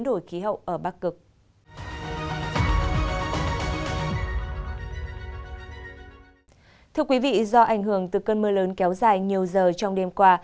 thưa quý vị do ảnh hưởng từ cơn mưa lớn kéo dài nhiều giờ trong đêm qua